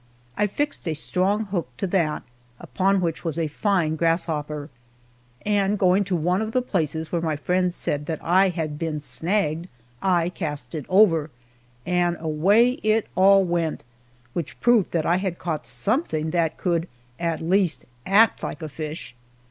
I fixed a strong hook to that, upon which was a fine grasshopper, and going to one of the places where my friends said I had been "snagged," I cast it over, and away it all went, which proved that I had caught something that could at least act like a fish.